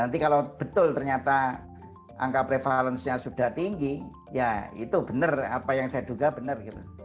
nanti kalau betul ternyata angka prevalensinya sudah tinggi ya itu benar apa yang saya duga benar